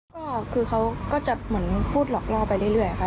ก็คือเขาก็จะเหมือนพูดหลอกล่อไปเรื่อยค่ะ